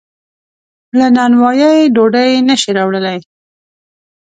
له نانوایۍ ډوډۍ نشي راوړلی.